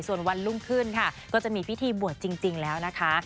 ส่วนวันรุ่งขึ้นค่ะก็จะมีพิธีบวชจริงแล้วนะคะ